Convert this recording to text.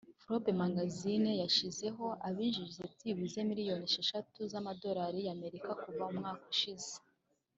Forbes Magazine yashyizeho abinjije byibuze miliyoni esheshatu z’amadorali ya Amerika kuva mu mwaka ushize